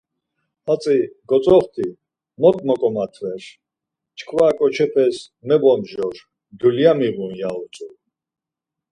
Hatzi gotzoxti, mot moǩomatver çkva ǩoçepes mebomjor, dulya miğun ya utzu.